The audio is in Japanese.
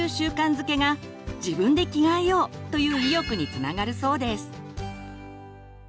づけが「自分で着替えよう」という意欲につながるそうです。